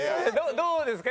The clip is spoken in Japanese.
どうですか？